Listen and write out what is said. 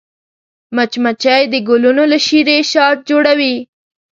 مچمچۍ د ګلونو له شيرې شات جوړوي